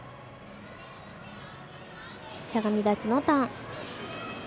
しゃがみ立ちのターン。